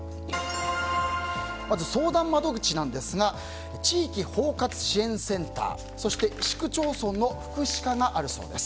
まず、相談窓口なんですが地域包括支援センターそして、市区町村の福祉課があるそうです。